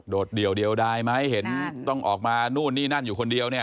เดี่ยวเดียวได้ไหมเห็นต้องออกมานู่นนี่นั่นอยู่คนเดียวเนี่ย